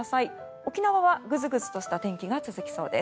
沖縄はぐずぐずとした天気が続きそうです。